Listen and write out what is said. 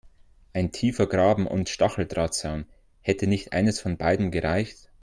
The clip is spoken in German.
Ein tiefer Graben und Stacheldrahtzaun – hätte nicht eines von beidem gereicht?